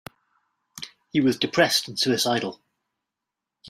He was depressed and suicidal.